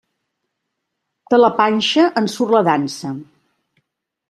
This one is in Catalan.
De la panxa en surt la dansa.